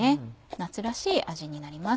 夏らしい味になります。